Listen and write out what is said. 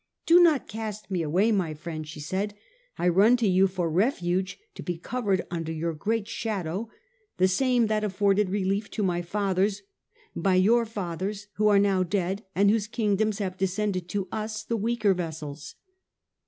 ' Do not cast me away, my friend,' she said ;' I run to you for refuge, to be covered under your great shadow, the same that afforded relief to my fathers by your fathers, who are now dead, and whose kingdoms have descended to us the weaker vessels.